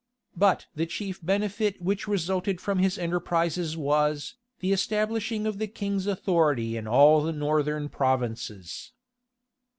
But the chief benefit which resulted from his enterprises was, the establishing of the king's authority in all the northern provinces.